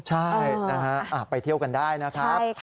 ใช่นะฮะไปเที่ยวกันได้นะครับ